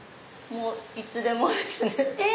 いつでもですね。